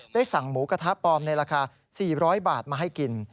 สั่งหมูกระทะปลอมในราคา๔๐๐บาทมาให้กิน